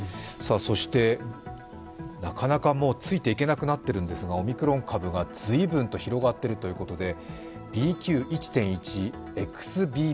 そして、なかなかついていけなくなっているんですがオミクロン株が随分と広がっているということです。